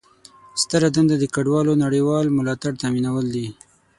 ستره دنده د کډوالو نړیوال ملاتړ تامینول دي.